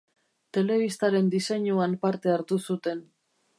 Telebistaren diseinuan parte hartu zuten.